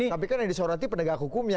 tapi kan yang disoroti pendegang hukum ya